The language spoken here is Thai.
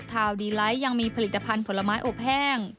ดีไลท์ยังมีผลิตภัณฑ์ผลไม้อบแห้ง